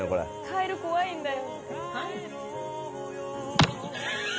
カエル怖いんだよ。